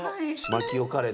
マキオカレー。